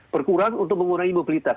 berkurang untuk mengurangi mobilitas